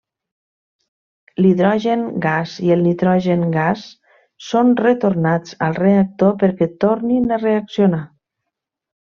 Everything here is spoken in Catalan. L'hidrogen gas i el nitrogen gas són retornats al reactor perquè tornin a reaccionar.